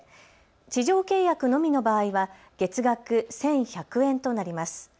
地上契約のみの場合は月額１１００円となります。